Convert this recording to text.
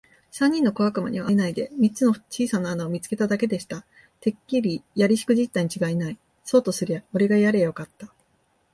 三人の小悪魔にはあえないで、三つの小さな穴を見つけただけでした。「てっきりやりしくじったにちがいない。そうとすりゃおれがやりゃよかった。」